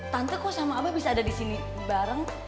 tante kok sama abah bisa ada disini bareng